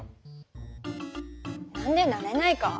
何でなれないか？